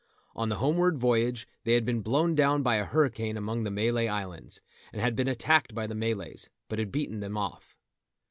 On the homeward voyage they had been blown down by a hurricane among the Malay Islands, and had been attacked by the Malays, but had beaten them off.